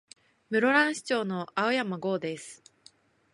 室蘭市長の青山剛です。